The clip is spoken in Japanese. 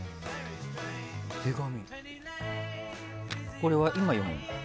これは今読むの？